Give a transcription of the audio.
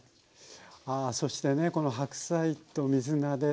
あそしてねこの白菜と水菜で。